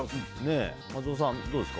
松尾さん、どうですか？